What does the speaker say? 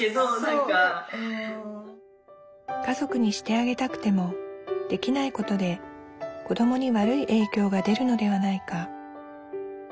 家族にしてあげたくてもできないことで子どもに悪い影響が出るのではないか。